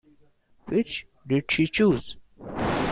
Which did she choose?